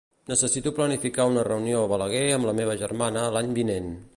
Necessito planificar una reunió a Balaguer amb la meva germana l'any vinent.